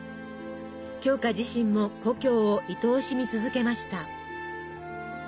鏡花自身も故郷をいとおしみ続けました。